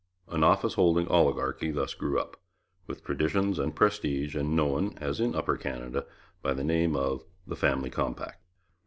An office holding oligarchy thus grew up, with traditions and prestige, and known, as in Upper Canada, by the name of the 'Family Compact.'